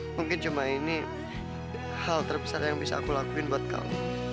mungkin cuma ini hal terbesar yang bisa aku lakuin buat kamu